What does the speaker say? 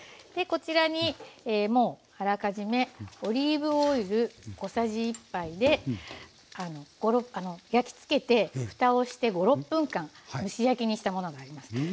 でこちらにもうあらかじめオリーブオイル小さじ１杯で焼き付けてふたをして５６分間蒸し焼きにしたものがあります。